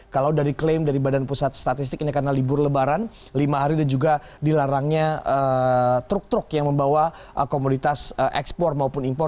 kalau dari klaim dari badan pusat statistik ini karena libur lebaran lima hari dan juga dilarangnya truk truk yang membawa komoditas ekspor maupun impor